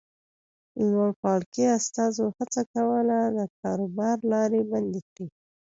لوړپاړکي استازو هڅه کوله د کاروبار لارې بندې کړي.